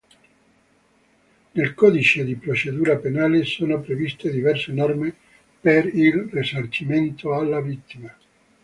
Nel Codice di procedura penale, sono previste diverse norme per il risarcimento alla vittima.